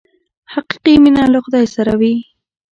حقیقي مینه له خدای سره وي.